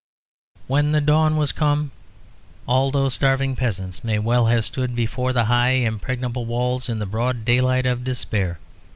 When dawn was come all those starving peasants may well have stood before the high impregnable walls in the broad daylight of despair.